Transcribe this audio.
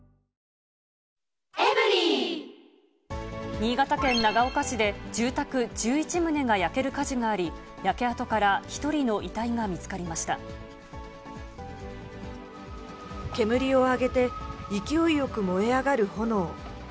新潟県長岡市で、住宅１１棟が焼ける火事があり、焼け跡から１人の遺体が見つかり煙を上げて、勢いよく燃え上がる炎。